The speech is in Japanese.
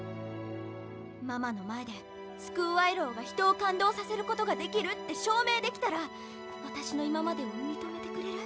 ママの前でスクールアイドルが人を感動させることができるって証明できたら私の今までを認めてくれる？